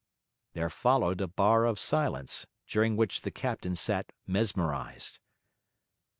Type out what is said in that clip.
There followed a bar of silence, during which the captain sat mesmerised.